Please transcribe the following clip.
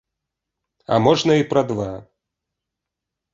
А можна, і пра два.